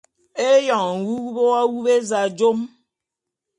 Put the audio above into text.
Éyoň nwuwup w’awup éza jom.